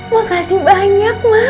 makasih banyak mak